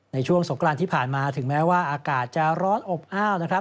ในช่วงสงกรานที่ผ่านมาถึงแม้ว่าอากาศจะร้อนอบอ้าวนะครับ